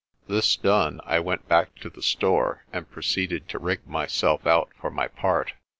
This done, I went back to the store and proceeded to rig myself out for my part.